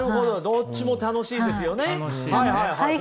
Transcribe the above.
どっちも楽しいですよね！